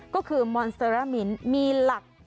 ก็คือมอนเซรามินมีหลัก